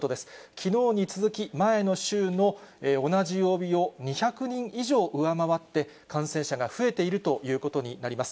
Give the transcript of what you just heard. きのうに続き、前の週の同じ曜日を２００人以上上回って、感染者が増えているということになります。